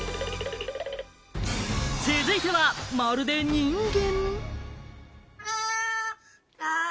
続いては、まるで人間？